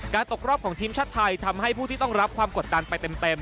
ตกรอบของทีมชาติไทยทำให้ผู้ที่ต้องรับความกดดันไปเต็ม